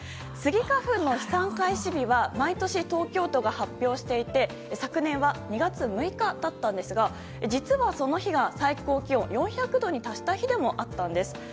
スギ花粉の飛散開始日は毎年、東京都が発表していて昨年は２月６日だったんですが実はその日が最高気温４００度に達した日でもあったんです。